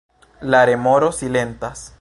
La remoro silentas.